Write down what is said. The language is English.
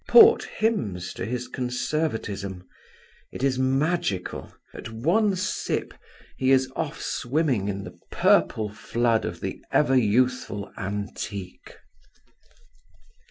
Port hymns to his conservatism. It is magical: at one sip he is off swimming in the purple flood of the ever youthful antique.